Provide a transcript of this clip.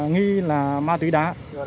nghi là ma túy đá